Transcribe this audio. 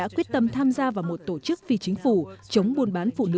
mà đã quyết tâm tham gia vào một tổ chức phi chính phủ chống buôn bán phụ nữ tại ấn độ